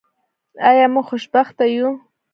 آیا موږ خوشبخته یو؟